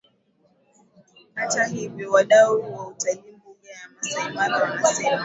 Hata hivyo wadau wa utalii mbuga ya Maasai Mara wanasema